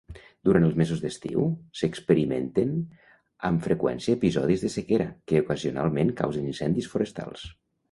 Durant els mesos d'estiu s'experimenten amb freqüència episodis de sequera, que ocasionalment causen incendis forestals.